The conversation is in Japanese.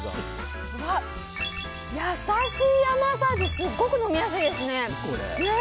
うわ、優しい甘さですごく飲みやすいですね！